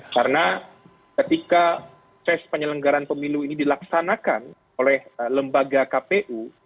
karena ketika tras penyelenggaraan pemilu ini dilaksanakan oleh lembaga kpu